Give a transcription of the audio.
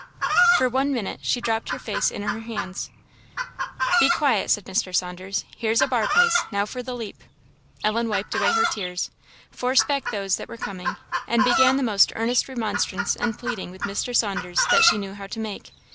For one minute she dropped her face in her hands. "Be quiet!" said Mr. Saunders. "Here's a bar place now for the leap!" Ellen wiped away her tears, forced back those that were coming, and began the most earnest remonstrance and pleading with Mr. Saunders that she knew how to make.